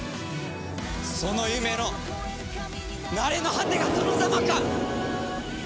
その夢の成れの果てがそのザマか！